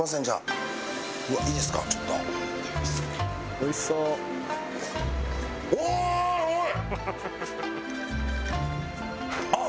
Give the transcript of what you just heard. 「おいしそう」あっ！